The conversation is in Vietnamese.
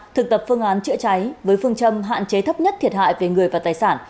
thực tập phương án chữa cháy với phương châm hạn chế thấp nhất thiệt hại về người và tài sản